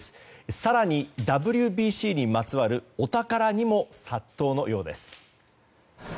更にＷＢＣにまつわるお宝にも殺到のようです。